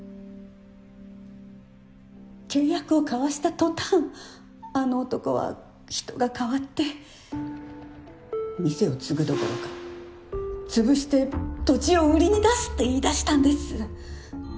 契約を交わした途端あの男は人が変わって店を継ぐどころか潰して土地を売りに出すって言い出したんです！